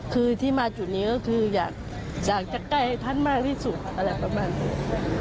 คือที่มาจุดนี้ก็คืออยากจะใกล้ท่านมากที่สุดอะไรประมาณนี้